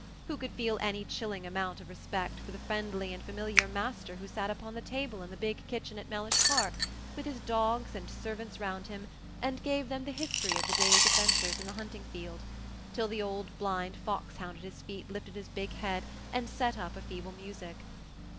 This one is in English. Who could feel any chilling amount of respect for the friendly and familiar master who sat upon the table in the big kitchen at Mellish Park, with his dogs and servants round him, and gave them the history of the day's adventures in the hunting field, till the old blind fox hound at his feet lifted his big head and set up a feeble music?